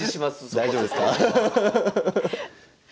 大丈夫ですか？